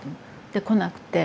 で来なくて。